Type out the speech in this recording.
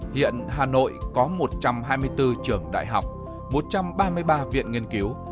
hiện hà nội có một trăm hai mươi bốn trường đại học một trăm ba mươi ba viện nghiên cứu